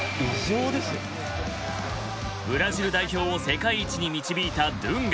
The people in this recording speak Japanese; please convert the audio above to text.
ブラジル代表を世界一に導いたドゥンガ。